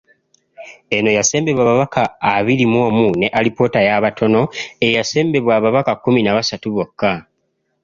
Eno yasembebwa ababaka abiri mu omu ne Alipoota y’abatono eyasembebwa ababaka kkumi na basatu bokka.